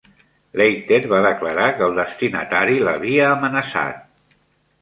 Leiter va declarar que el destinatari l'havia amenaçat.